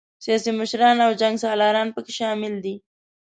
سیاسي مشران او جنګ سالاران پکې شامل دي.